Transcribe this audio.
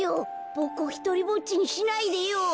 ボクをひとりぼっちにしないでよ。